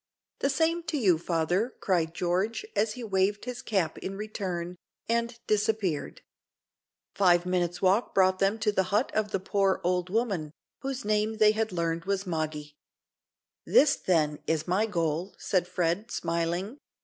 "The same to you, father," cried George, as he waved his cap in return, and disappeared. Five minutes' walk brought them to the hut of the poor old woman, whose name they had learned was Moggy. "This, then, is my goal," said Fred, smiling.